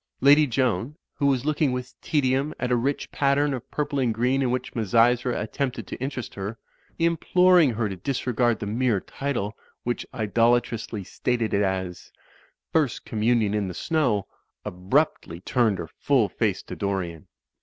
Lady Joan, who was looking with tedium at a rich pattern of purple and green in which Misysra attempt ed to interest her (imploring her to disregard the mere title, which idolatrously stated it as "First Commun ion in the Snow"), abruptly turned her full face to Dorian.